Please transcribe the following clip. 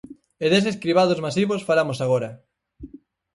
E deses cribados masivos falamos agora.